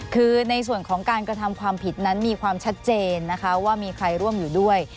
คือในส่วนของการกระทำความผิดนั้นมีความชัดเจนนะคะว่ามีใครร่วมอยู่ด้วย